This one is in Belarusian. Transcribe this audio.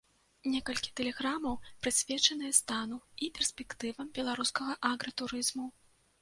Некалькі тэлеграмаў прысвечаныя стану і перспектывам беларускага агратурызму.